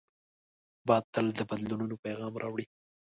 باد تل د بدلونو پیغام راوړي